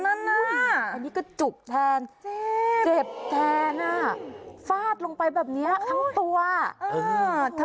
อันนี้ก็จุกแทนเจ็บแทนอ่ะฟาดลงไปแบบเนี้ยทั้งตัวเออเธอ